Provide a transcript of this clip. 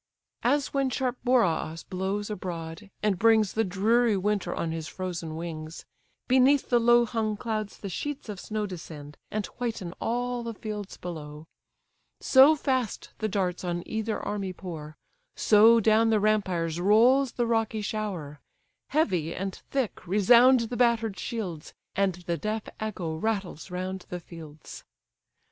As when sharp Boreas blows abroad, and brings The dreary winter on his frozen wings; Beneath the low hung clouds the sheets of snow Descend, and whiten all the fields below: So fast the darts on either army pour, So down the rampires rolls the rocky shower: Heavy, and thick, resound the batter'd shields, And the deaf echo rattles round the fields.